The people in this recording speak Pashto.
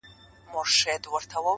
مینه که وي جرم قاسم یار یې پرستش کوي,